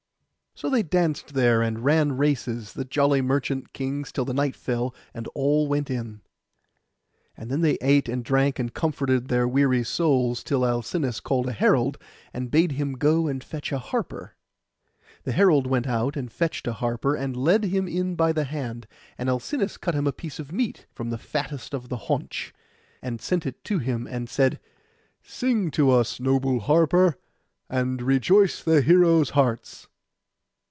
So they danced there and ran races, the jolly merchant kings, till the night fell, and all went in. And then they ate and drank, and comforted their weary souls, till Alcinous called a herald, and bade him go and fetch the harper. The herald went out, and fetched the harper, and led him in by the hand; and Alcinous cut him a piece of meat, from the fattest of the haunch, and sent it to him, and said, 'Sing to us, noble harper, and rejoice the heroes' hearts.